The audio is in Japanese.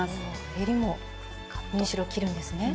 えりも縫い代を切るんですね。